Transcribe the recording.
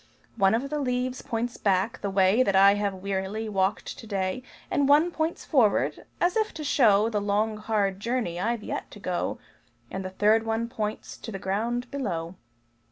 One of the leaves points back, the way That I have wearily walked to day; One points forward as if to show The long, hard journey I've yet to go; And the third one points to the ground below.